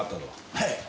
はい。